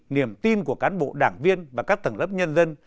niềm tin của cán bộ đảng viên và các tầng lớp nhân dân